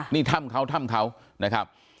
นี่ถ้ำเขาถ้ำเขานะครับ